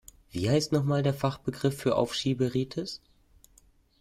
Wie heißt noch mal der Fachbegriff für Aufschieberitis?